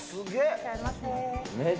いらっしゃいませ。